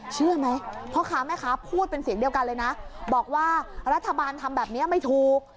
เชื่อไหมพ่อค้าแม่ค้าพูดเป็นเสียงเดียวกันเลยนะบอกว่ารัฐบาลทำแบบนี้ไม่ถูก